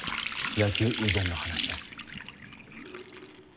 野球以前の話です